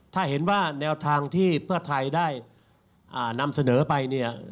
ถ้าเห็นว่าแนวทางที่เพื่อไทยได้นำเสนอไปเนี่ย